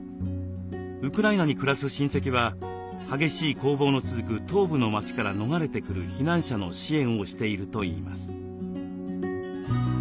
ウクライナに暮らす親戚は激しい攻防の続く東部の町から逃れてくる避難者の支援をしているといいます。